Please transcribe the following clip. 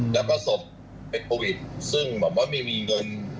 แล้วก็ส่งเป็นโควิดซึ่งไม่มีเงิน